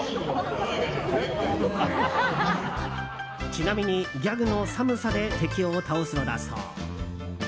ちなみに、ギャグのサムさで敵を倒すのだそう。